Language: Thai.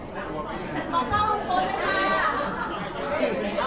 สวัสดีค่ะ